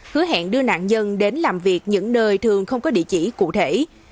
hứa hẹn đưa nạn nhân đến làm việc những nơi thường không có địa chỉ cụ thể